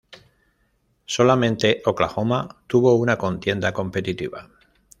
Solamente Oklahoma tuvo una contienda competitiva.